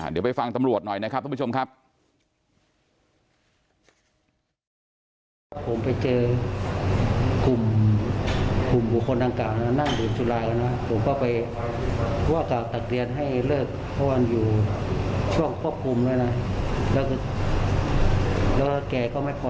เดี๋ยวไปฟังตำรวจหน่อยนะครับทุกผู้ชมครับ